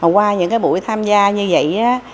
qua những buổi tham gia như vậy